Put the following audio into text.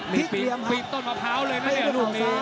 นี่ปีกต้นมะพร้าวเลยนะเนี่ยลูกนี้